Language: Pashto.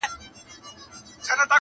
یو موږک دی چي په نورو نه ګډېږي,